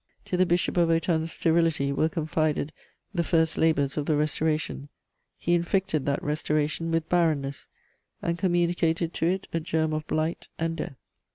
To the Bishop of Autun's sterility were confided the first labours of the Restoration: he infected that Restoration with barrenness, and communicated to it a germ of blight and death.